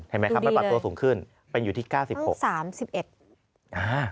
เห็นไหมครับมันปรับตัวสูงขึ้นเป็นอยู่ที่๙๖ต้อง๓๑